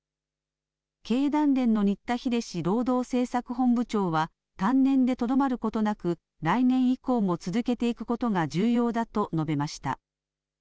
経団連の新田秀司労働政策本部長は、単年でとどまることなく、来年以降も続けていくことが重要だと述べました。